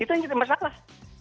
itu yang jadi masalah